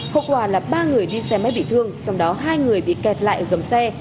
hậu quả là ba người đi xe máy bị thương trong đó hai người bị kẹt lại ở gầm xe